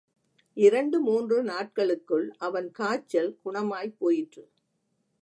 இரண்டு, மூன்று நாட்களுக்குள் அவன் காய்ச்சல் குணமாய்ப் போயிற்று.